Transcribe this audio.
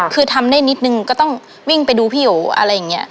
คือทำได้นิดนึงก็ต้องวิ่งไปดูพี่โอ๋อะไรอย่างนี้